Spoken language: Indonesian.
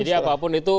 jadi apapun itu